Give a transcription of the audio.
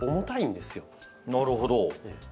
なるほど。